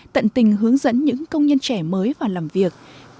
tận tình hướng dẫn những công nhân trẻ mới vào làm việc